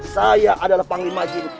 saya adalah panglima jin